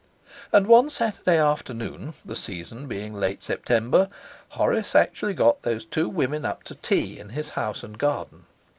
And one Saturday afternoon, the season being late September, Horace actually got those two women up to tea in his house and garden.